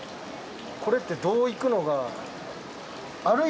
これってどう行くのが。